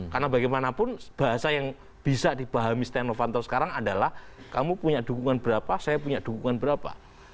karena bagaimanapun bahasa yang bisa dibahami sten novanto sekarang adalah kamu punya dukungan berapa saya punya dukungan berapa